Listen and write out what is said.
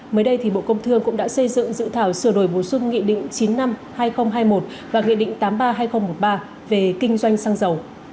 mới đây thì bộ công thương cũng đã xây dựng dự thảo sửa đổi bổ sung nghị định chín năm hai nghìn hai mươi một và nghị định tám trăm ba mươi hai nghìn một mươi ba về kinh doanh xăng dầu